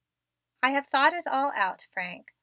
I have thought it all out, Frank.